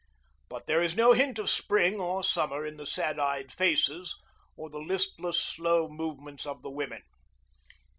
But there is no hint of spring or summer in the sad eyed faces or the listless, slow movements of the women.